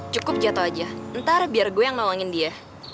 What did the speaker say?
cukup jatuh aja ntar biar gue yang nolongin dia